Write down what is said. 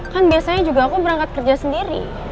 kan biasanya juga aku berangkat kerja sendiri